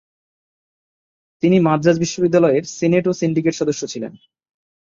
তিনি মাদ্রাজ বিশ্ববিদ্যালয়ের সিনেট ও সিন্ডিকেট সদস্য ছিলেন।